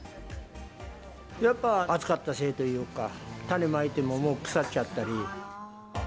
やっぱ暑かったせいというか、種まいてももう腐っちゃったり。